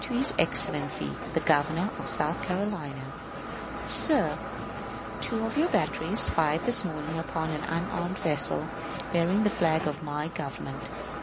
To his Excellency the Governor of South Carolina._ Sir: Two of your batteries fired this morning upon an unarmed vessel bearing the flag of my Government.